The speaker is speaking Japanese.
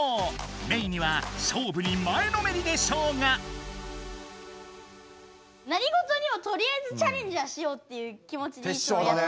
メイには「勝負に前のめりで賞」が！何ごとにもとりあえずチャレンジはしようっていう気もちでいつもやってる。